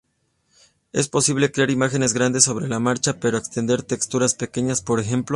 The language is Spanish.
Es posible crear imágenes grandes sobre la marcha, para extender texturas pequeñas, por ejemplo.